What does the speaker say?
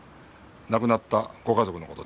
亡くなったご家族の事で。